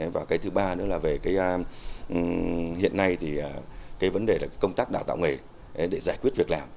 và cái thứ ba nữa là về cái hiện nay thì cái vấn đề là công tác đào tạo nghề để giải quyết việc làm